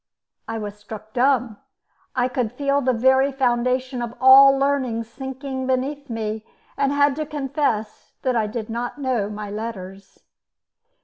I was struck dumb; I could feel the very foundation of all learning sinking beneath me, and had to confess that I did not know my letters.